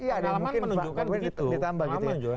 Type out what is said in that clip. pengalaman menunjukkan begitu